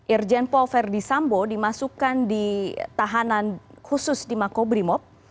irjen paul verdi sambo dimasukkan di tahanan khusus di makobrimob